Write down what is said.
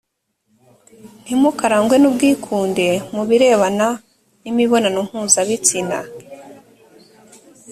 ntimukarangwe n ubwikunde mu birebana n imibonano mpuzabitsina